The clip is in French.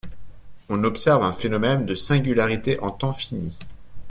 On observe un phénomène de singularité en temps fini